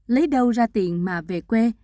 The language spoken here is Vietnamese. lấy đâu ra tiền mà về quê